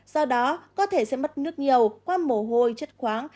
do đó có thể sẽ mất nước nhiều qua mồ hôi chất khoáng